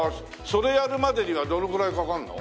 それやるまでにはどのくらいかかるの？